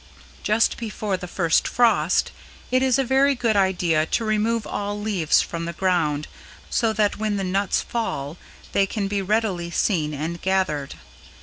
Just before the first frost it is a very good idea to remove all leaves from the ground so that when the nuts fall they can be readily seen and gathered.